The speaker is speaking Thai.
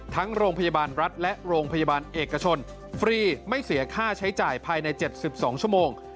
ทั้งโรงพยาบาลรัฐและโรงพยาบาลเอกชนฟรีไม่เสียค่าใช้จ่ายภายใน๗๒ชั่วโมง